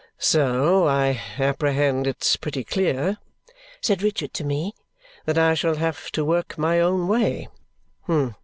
"So I apprehend it's pretty clear," said Richard to me, "that I shall have to work my own way.